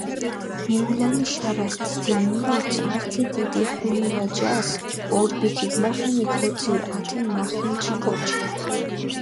მეულანი შარას, დიდი მინდორც ართი დიდი ხუმულა ჯას ობრი ქიგიმახენი, ქოძირჷ ათე მახინჯი კოჩქჷ.